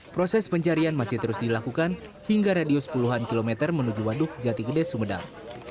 proses pencarian masih terus dilakukan hingga radius puluhan kilometer menuju waduk jati gede sumedang